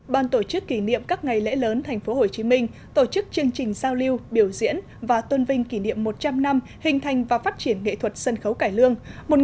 ban tổ chức kỷ niệm các ngày lễ lớn tp hcm tổ chức chương trình giao lưu biểu diễn và tuân vinh kỷ niệm một trăm linh năm hình thành và phát triển nghệ thuật sân khấu cải lương một nghìn chín trăm một mươi tám hai nghìn một mươi tám